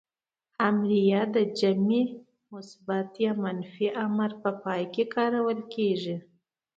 امریه ئ د جمع مثبت يا منفي امر په پای کې کارول کیږي.